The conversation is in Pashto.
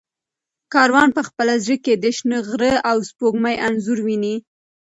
کاروان په خپل زړه کې د شنه غره او سپوږمۍ انځور ویني.